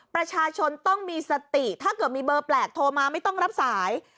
ประชาชนต้องมีสติถ้าเกิดมีเบอร์แปลกโทรมาไม่ต้องรับสาย